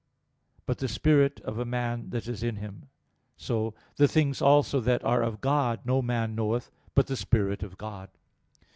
'], but the spirit of a man that is in him." So, "the things also that are of God no man knoweth but the Spirit of God."